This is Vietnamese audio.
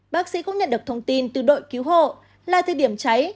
bác sĩ cũng nhận được thông tin từ đội cứu hộ là thời điểm cháy